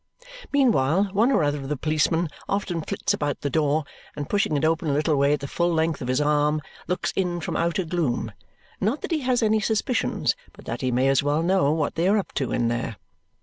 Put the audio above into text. Meanwhile, one or other of the policemen often flits about the door, and pushing it open a little way at the full length of his arm, looks in from outer gloom. Not that he has any suspicions, but that he may as well know what they are up to in there.